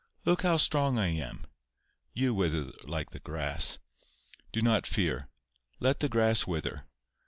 Look how strong I am. You wither like the grass. Do not fear. Let the grass wither.